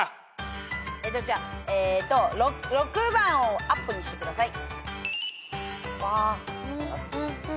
じゃあえっと６番をアップにしてください。